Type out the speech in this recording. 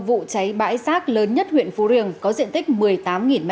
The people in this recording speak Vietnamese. vụ cháy bãi rác lớn nhất huyện phú riềng có diện tích một mươi tám m hai